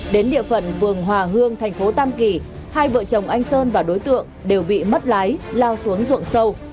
đến địa phận phường hòa hương thành phố tam kỳ hai vợ chồng anh sơn và đối tượng đều bị mất lái lao xuống ruộng sâu